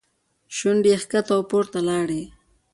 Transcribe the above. شونډې یې ښکته او پورته لاړې.